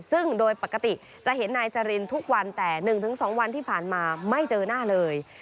ซึ่งโดยปกติจะเห็นนายจรินทุกวันแต่๑๒วันที่ผ่านมาไม่เจอหน้าเลย